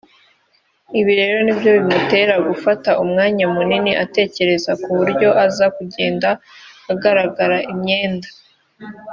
ibi rero ni byo bimutera gufata umwanya munini atekereza ku buryo aza kugenda agaragara (imyenda